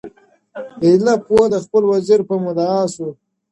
ایله پوه د خپل وزیر په مُدعا سو!